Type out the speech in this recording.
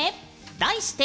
題して！